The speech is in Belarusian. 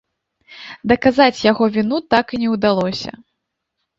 Даказаць яго віну так і не ўдалося.